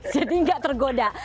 jadi nggak tergoda